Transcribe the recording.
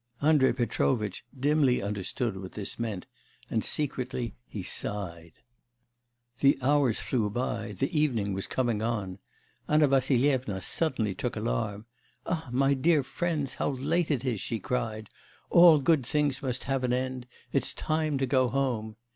Andrei Petrovitch dimly understood what this meant, and secretly he sighed. The hours flew by; the evening was coming on. Anna Vassilyevna suddenly took alarm. 'Ah, my dear friends, how late it is!' she cried. 'All good things must have an end; it's time to go home.